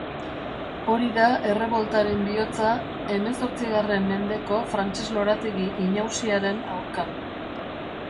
Hori da erreboltaren bihotza hemezortzigarren mendeko frantses-lorategi inausiaren aurka.